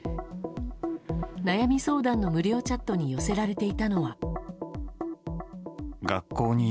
悩み相談の無料チャットに寄せられていたのは。